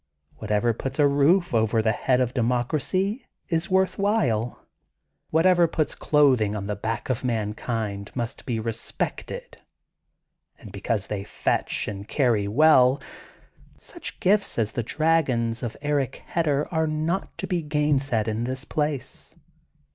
Whatever puts a roof over the head of democracy is worth IM THE GOLDEN BOOK OF SPRINGFIELD while. Whatever puts clothing on the back of mankind mnst be respected. And because they fetch and cany well, snch gifts as the dragons of Eric Hedder are not to be gainsaid in this place.